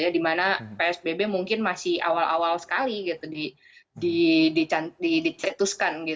dimana psbb mungkin masih awal awal sekali dicetuskan